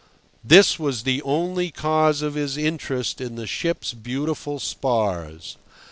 This was the only cause of his interest in the ship's beautiful spars.